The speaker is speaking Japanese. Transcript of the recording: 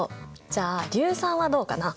じゃあ硫酸はどうかな？